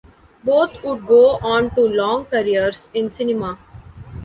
Both would go on to long careers in cinema.